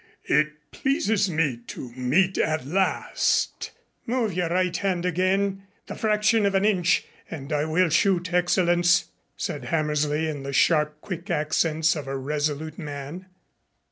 It pleases me to meet at last " "Move your right hand again the fraction of an inch and I will shoot, Excellenz," said Hammersley, in the sharp, quick accents of a resolute man.